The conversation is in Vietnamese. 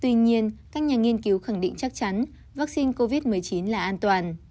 tuy nhiên các nhà nghiên cứu khẳng định chắc chắn vaccine covid một mươi chín là an toàn